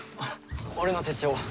俺の手帳。